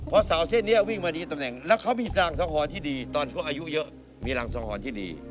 เพราะสาวเส้นนี้วิ่งมาดีตำแหน่งแล้วเขามีรางสังหรณ์ที่ดีตอนเขาอายุเยอะมีรางสังหรณ์ที่ดี